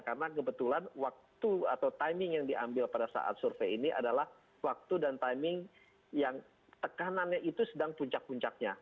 karena kebetulan waktu atau timing yang diambil pada saat survei ini adalah waktu dan timing yang tekanannya itu sedang puncak puncaknya